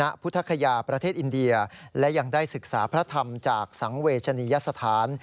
ณพุทธคยาประเทศอินเดียและยังได้ศึกษาพระธรรมจากสังเวชนียสถาน